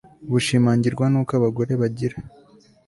bushimangirwa n uko abagore bagira